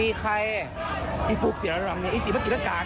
ดีใครไอ้ฟุกเสียร้ำไอ้จิ๊กมันกินการเนี่ยจิ๊ก